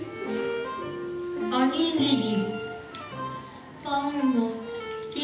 おにぎり。